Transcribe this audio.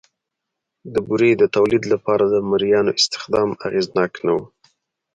د بورې د تولید لپاره د مریانو استخدام اغېزناک نه و